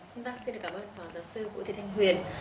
cảm ơn phó giáo sư cụ thị thanh huyền